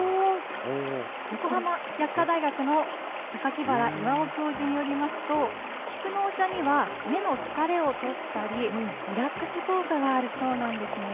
横浜薬科大学の榊原巌教授によりますと、菊のお茶には、目の疲れをとったり、リラックス効果があるそうなんですね。